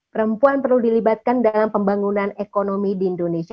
perempuan perlu dilibatkan dalam pembangunan ekonomi di indonesia